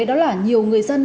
đó là nhiều người dân